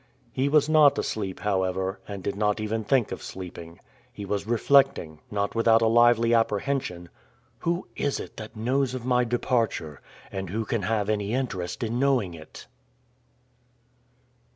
He was not asleep, however, and did not even think of sleeping. He was reflecting, not without a lively apprehension: "Who is it knows of my departure, and who can have any interest in knowing it?"